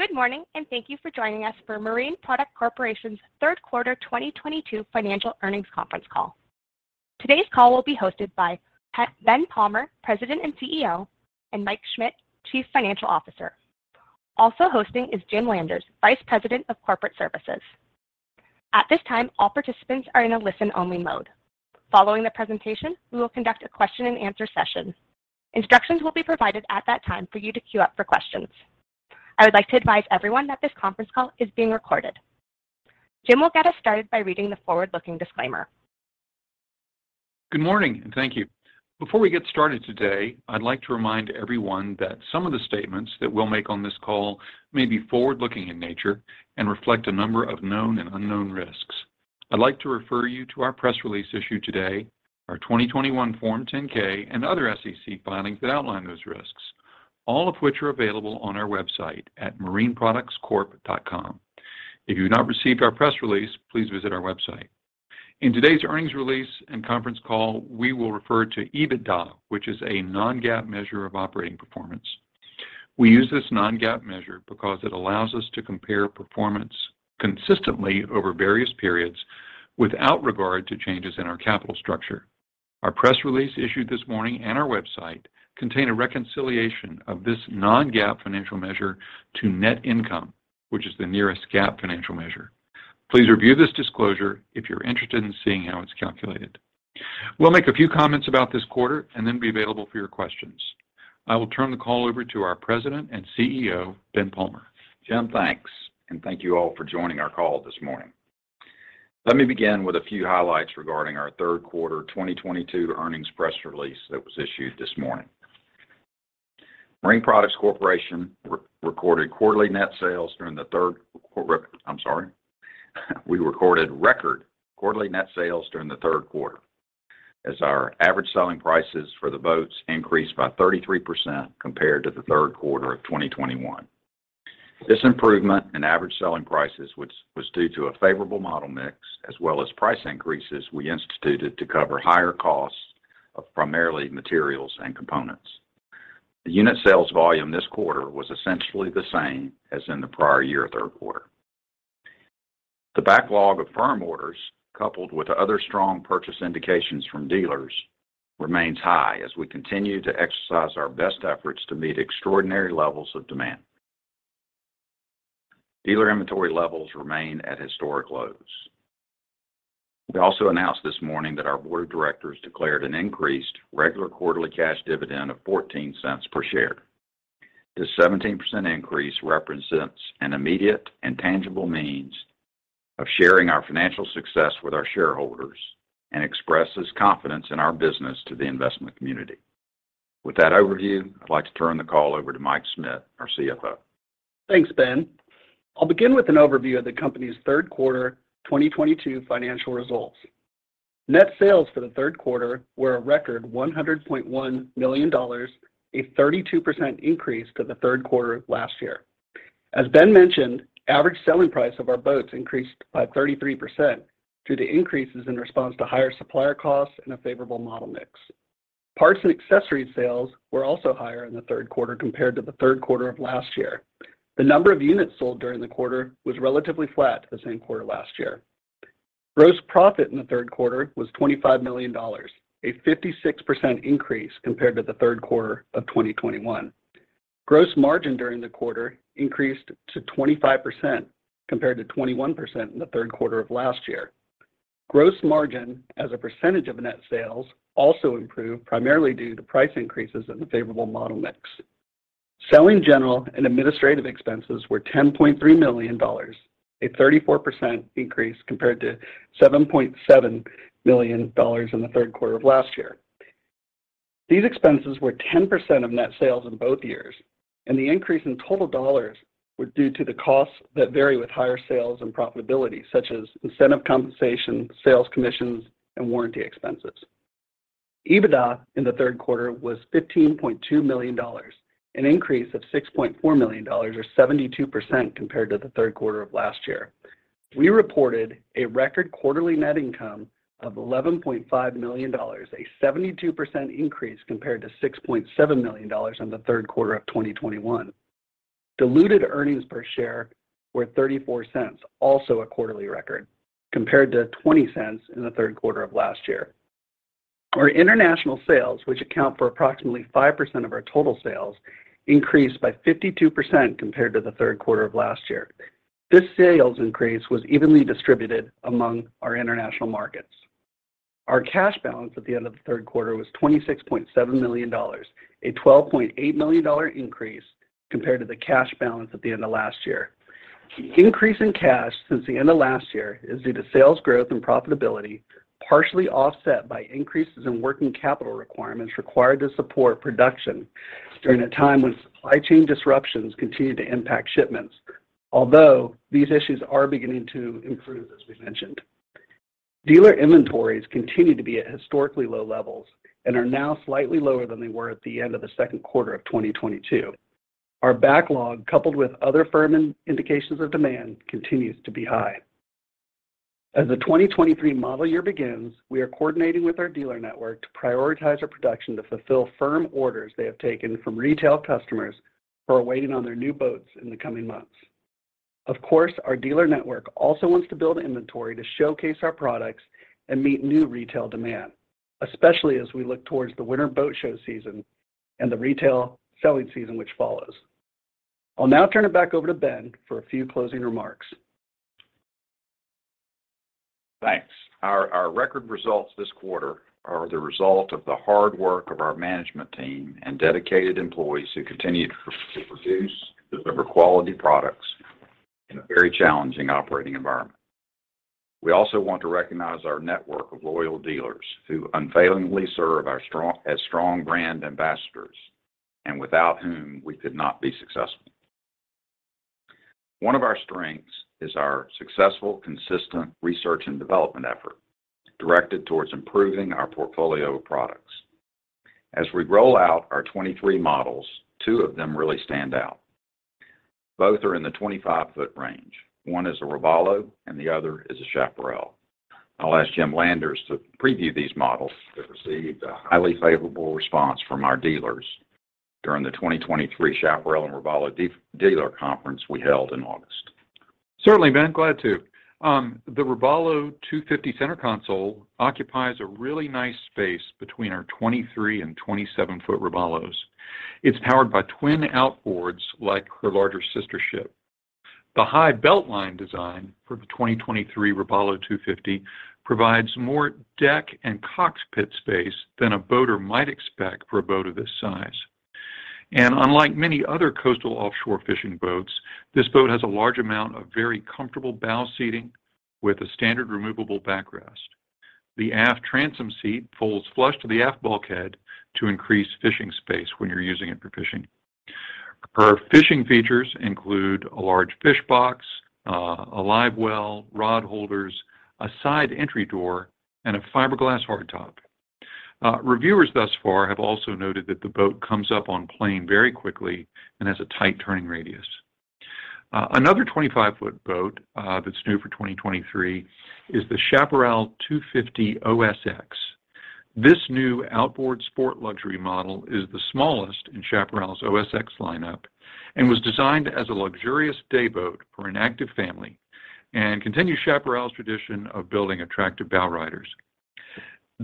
Good morning, and thank you for joining us for Marine Products Corporation's Third Quarter 2022 Financial Earnings Conference Call. Today's call will be hosted by Ben Palmer, President and CEO, and Michael Schmit, Chief Financial Officer. Also hosting is Jim Landers, Vice President of Corporate Services. At this time, all participants are in a listen-only mode. Following the presentation, we will conduct a question and answer session. Instructions will be provided at that time for you to queue up for questions. I would like to advise everyone that this conference call is being recorded. Jim will get us started by reading the forward-looking disclaimer. Good morning, and thank you. Before we get started today, I'd like to remind everyone that some of the statements that we'll make on this call may be forward-looking in nature and reflect a number of known and unknown risks. I'd like to refer you to our press release issued today, our 2021 Form 10-K and other SEC filings that outline those risks, all of which are available on our website at MarineProductsCorp.com. If you've not received our press release, please visit our website. In today's earnings release and conference call, we will refer to EBITDA, which is a non-GAAP measure of operating performance. We use this non-GAAP measure because it allows us to compare performance consistently over various periods without regard to changes in our capital structure. Our press release issued this morning and our website contain a reconciliation of this non-GAAP financial measure to net income, which is the nearest GAAP financial measure. Please review this disclosure if you're interested in seeing how it's calculated. We'll make a few comments about this quarter and then be available for your questions. I will turn the call over to our President and CEO, Ben Palmer. Jim, thanks. Thank you all for joining our call this morning. Let me begin with a few highlights regarding our third quarter 2022 earnings press release that was issued this morning. We recorded record quarterly net sales during the third quarter as our average selling prices for the boats increased by 33% compared to the third quarter of 2021. This improvement in average selling prices was due to a favorable model mix as well as price increases we instituted to cover higher costs of primarily materials and components. The unit sales volume this quarter was essentially the same as in the prior year third quarter. The backlog of firm orders, coupled with other strong purchase indications from dealers, remains high as we continue to exercise our best efforts to meet extraordinary levels of demand. Dealer inventory levels remain at historic lows. We also announced this morning that our Board of Directors declared an increased regular quarterly cash dividend of $0.14 per share. This 17% increase represents an immediate and tangible means of sharing our financial success with our shareholders and expresses confidence in our business to the investment community. With that overview, I'd like to turn the call over to Michael Schmit, our CFO. Thanks, Ben. I'll begin with an overview of the company's third quarter 2022 financial results. Net sales for the third quarter were a record $100.1 million, a 32% increase to the third quarter of last year. As Ben mentioned, average selling price of our boats increased by 33% due to increases in response to higher supplier costs and a favorable model mix. Parts and accessory sales were also higher in the third quarter compared to the third quarter of last year. The number of units sold during the quarter was relatively flat to the same quarter last year. Gross profit in the third quarter was $25 million, a 56% increase compared to the third quarter of 2021. Gross margin during the quarter increased to 25% compared to 21% in the third quarter of last year. Gross margin as a percentage of net sales also improved, primarily due to price increases in the favorable model mix. Selling general and administrative expenses were $10.3 million, a 34% increase compared to $7.7 million in the third quarter of last year. These expenses were 10% of net sales in both years, and the increase in total dollars were due to the costs that vary with higher sales and profitability, such as incentive compensation, sales commissions, and warranty expenses. EBITDA in the third quarter was $15.2 million, an increase of $6.4 million or 72% compared to the third quarter of last year. We reported a record quarterly net income of $11.5 million, a 72% increase compared to $6.7 million in the third quarter of 2021. Diluted earnings per share were $0.34, also a quarterly record, compared to $0.20 in the third quarter of last year. Our international sales, which account for approximately 5% of our total sales, increased by 52% compared to the third quarter of last year. This sales increase was evenly distributed among our international markets. Our cash balance at the end of the third quarter was $26.7 million, a $12.8 million increase compared to the cash balance at the end of last year. The increase in cash since the end of last year is due to sales growth and profitability, partially offset by increases in working capital requirements required to support production during a time when supply chain disruptions continued to impact shipments. Although these issues are beginning to improve, as we mentioned. Dealer inventories continue to be at historically low levels and are now slightly lower than they were at the end of the second quarter of 2022. Our backlog, coupled with other firm indications of demand, continues to be high. As the 2023 model year begins, we are coordinating with our dealer network to prioritize our production to fulfill firm orders they have taken from retail customers who are waiting on their new boats in the coming months. Of course, our dealer network also wants to build inventory to showcase our products and meet new retail demand, especially as we look towards the winter boat show season and the retail selling season which follows. I'll now turn it back over to Ben for a few closing remarks. Thanks. Our record results this quarter are the result of the hard work of our management team and dedicated employees who continue to produce, deliver quality products in a very challenging operating environment. We also want to recognize our network of loyal dealers who unfailingly serve as strong brand ambassadors, and without whom we could not be successful. One of our strengths is our successful, consistent research and development effort directed towards improving our portfolio of products. As we roll out our 23 models, two of them really stand out. Both are in the 25-foot range. One is a Robalo and the other is a Chaparral. I'll ask Jim Landers to preview these models that received a highly favorable response from our dealers during the 2023 Chaparral and Robalo dealer conference we held in August. Certainly, Ben, glad to. The Robalo R250 center console occupies a really nice space between our 23- and 27-foot Robalos. It's powered by twin outboards like her larger sister ship. The high belt line design for the 2023 Robalo R250 provides more deck and cockpit space than a boater might expect for a boat of this size. Unlike many other coastal offshore fishing boats, this boat has a large amount of very comfortable bow seating with a standard removable backrest. The aft transom seat folds flush to the aft bulkhead to increase fishing space when you're using it for fishing. Her fishing features include a large fish box, a livewell, rod holders, a side entry door, and a fiberglass hardtop. Reviewers thus far have also noted that the boat comes up on plane very quickly and has a tight turning radius. Another 25-foot boat, that's new for 2023 is the Chaparral 250 OSX. This new outboard sport luxury model is the smallest in Chaparral's OSX lineup and was designed as a luxurious day boat for an active family and continues Chaparral's tradition of building attractive bowriders.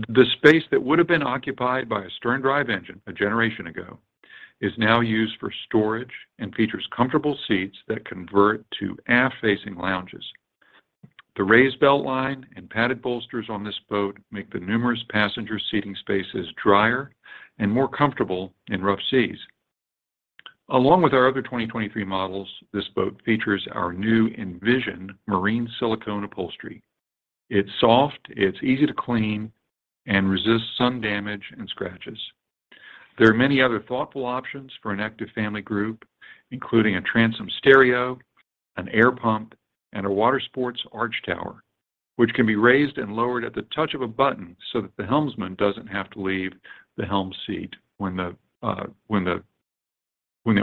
The space that would have been occupied by a stern drive engine a generation ago is now used for storage and features comfortable seats that convert to aft-facing lounges. The raised belt line and padded bolsters on this boat make the numerous passenger seating spaces drier and more comfortable in rough seas. Along with our other 2023 models, this boat features our new Envision marine silicone upholstery. It's soft, it's easy to clean, and resists sun damage and scratches. There are many other thoughtful options for an active family group, including a transom stereo, an air pump, and a water sports arch tower, which can be raised and lowered at the touch of a button so that the helmsman doesn't have to leave the helm seat when the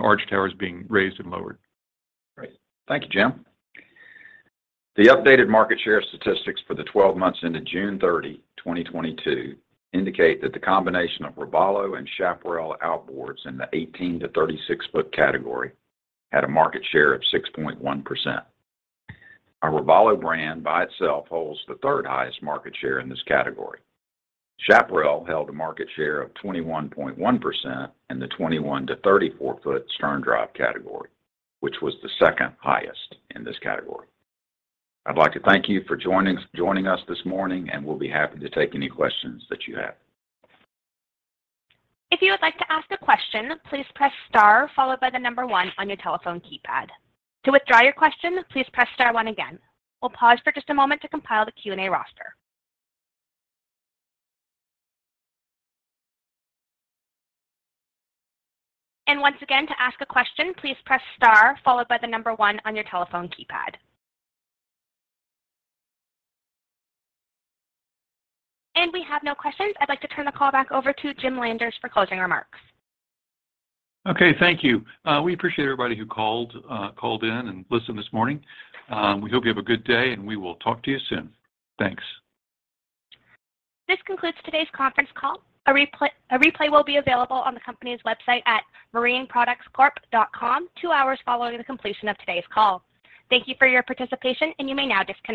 arch tower is being raised and lowered. Great. Thank you, Jim. The updated market share statistics for the 12 months into June 30, 2022 indicate that the combination of Robalo and Chaparral Outboards in the 18-36-foot category had a market share of 6.1%. Our Robalo brand by itself holds the third highest market share in this category. Chaparral held a market share of 21.1% in the 21-34-foot stern drive category, which was the second highest in this category. I'd like to thank you for joining us this morning, and we'll be happy to take any questions that you have. If you would like to ask a question, please press star followed by the number one on your telephone keypad. To withdraw your question, please press star one again. We'll pause for just a moment to compile the Q&A roster. Once again, to ask a question, please press star followed by the number one on your telephone keypad. We have no questions. I'd like to turn the call back over to Jim Landers for closing remarks. Okay. Thank you. We appreciate everybody who called in and listened this morning. We hope you have a good day, and we will talk to you soon. Thanks. This concludes today's conference call. A replay will be available on the company's website at MarineProductsCorp.com two hours following the completion of today's call. Thank you for your participation, and you may now disconnect.